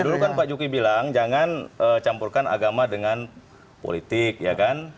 dulu kan pak juki bilang jangan campurkan agama dengan politik ya kan